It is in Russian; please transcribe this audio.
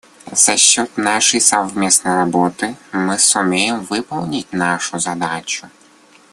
За счет нашей совместной работы мы сумеем выполнить нашу задачу.